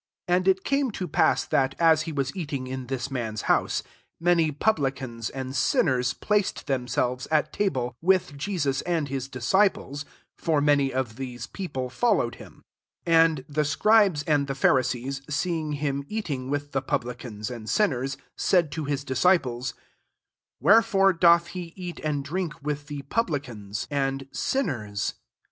15 And It came to pass, that, as he was eating in this man's house, many publicans and sin ners placed themselves at ta ble, with Jesus and his disci ples : for many of these people followed him. 16 And the scribes and the Pharisees see ing him eating with the publi cans and sinners, said to his disciples, " Wherefore doth he eat and drink with the publican? * re MARK llh and sinners ?"